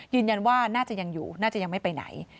ยืนยันว่าน่าจะยังอยู่น่าจะยังไม่ไปไหน